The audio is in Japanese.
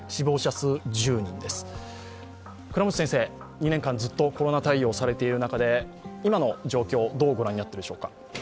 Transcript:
２年間ずっとコロナ対応をされている中で、今の状況どうご覧になってるでしょうか。